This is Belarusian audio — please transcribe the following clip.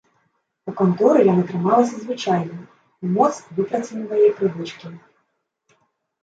У канторы яна трымалася звычайна, у моц выпрацаванае прывычкі.